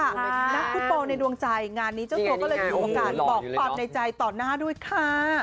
นักธุปร์ในดวงใจงานนี้เจ้าก็เลยมีโอกาสบอกฝันในใจต่อหน้าด้วยค่ะ